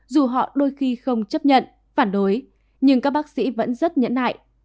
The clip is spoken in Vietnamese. dù họ đôi khi không chấp nhận phản đối nhưng các bác sĩ vẫn rất nhẫn nại